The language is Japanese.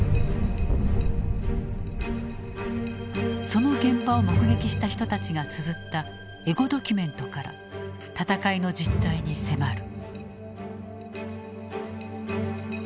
その現場を目撃した人たちがつづったエゴドキュメントから戦いの実態に迫る。